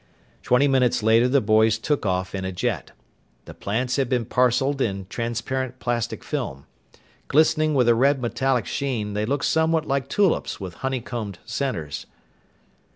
Twenty minutes later the boys took off in a jet. The plants had been parceled in transparent plastic film. Glistening with a red metallic sheen, they looked somewhat like tulips with honeycombed centers.